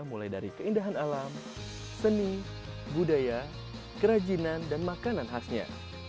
mulai dari keindahan alam seni budaya kerajinan dan makanan khasnya